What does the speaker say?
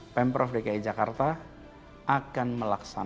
pemprov dki jakarta akan melaksanakan